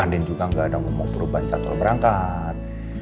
andin juga nggak ada ngomong perubahan catur berangkat